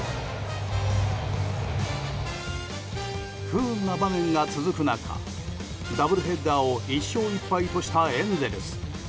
不運な場面が続く中ダブルヘッダーを１勝１敗としたエンゼルス。